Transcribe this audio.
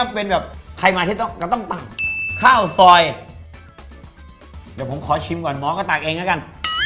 เดี๋ยวผมขอชิมก่อนหมอก็ตักเองละกัน